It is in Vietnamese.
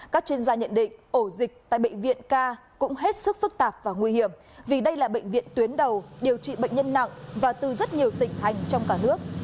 các chuyên gia nhận định ổ dịch tại bệnh viện ca cũng hết sức phức tạp và nguy hiểm vì đây là bệnh viện tuyến đầu điều trị bệnh nhân nặng và từ rất nhiều tỉnh thành trong cả nước